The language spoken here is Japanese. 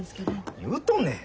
何言うとんねん。